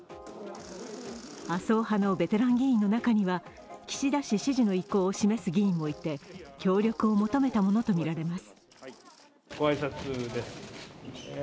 麻生派のベテラン議員の中には岸田氏支持の意向を示す議員もいて協力を求めたものとみられます。